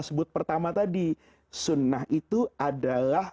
sunnah itu adalah